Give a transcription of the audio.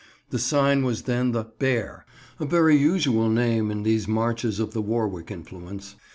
The sign was then the "Bear," a very usual name in these marches of the Warwick influence.